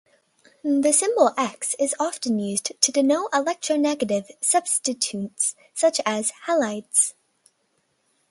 The symbol "X" is often used to denote electronegative substituents such as the halides.